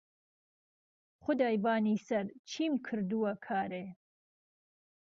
خودای بانی سهر چیم کردووه کارێ